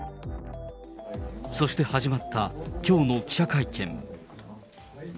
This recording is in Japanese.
そして始まったきょうの記者会見。